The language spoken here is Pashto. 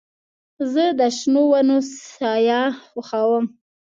زه د شنو ونو سایه خوښوم.